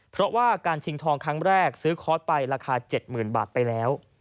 เพราะว่าการชิงทองครั้งแรกซื้อคอร์สไปราคา๗๐๐๐บาทไปแล้ว